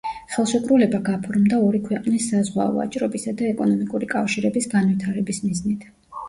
ხელშეკრულება გაფორმდა ორი ქვეყნის საზღვაო ვაჭრობისა და ეკონომიკური კავშირების განვითარების მიზნით.